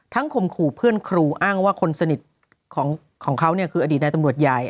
ข่มขู่เพื่อนครูอ้างว่าคนสนิทของเขาคืออดีตนายตำรวจใหญ่